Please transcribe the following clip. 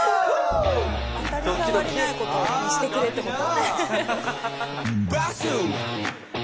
当たり障りないことにしてくれってこと？